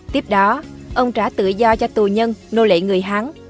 tiếp đó ông trả tự do cho tù nhân nô lệ người hán